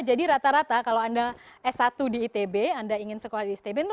jadi rata rata kalau anda s satu di itb anda ingin sekolah di itb